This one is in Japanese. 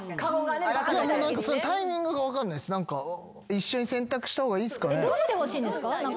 一緒に洗濯した方がいいっすかね？